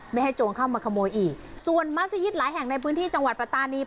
ไม่ให้โจรเข้ามาขโมยอีกส่วนมัศยิตหลายแห่งในพื้นที่จังหวัดปัตตานี